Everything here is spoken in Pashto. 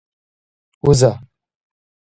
اوزه؟